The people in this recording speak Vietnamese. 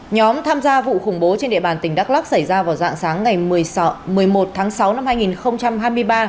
nhóm tham gia vụ khủng bố trên địa bàn tỉnh đắk lắc xảy ra vào dạng sáng ngày một mươi một tháng sáu năm hai nghìn hai mươi ba